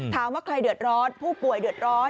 ถามว่าใครเดือดร้อนผู้ป่วยเดือดร้อน